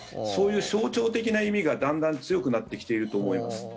そういう象徴的な意味がだんだん強くなってきていると思います。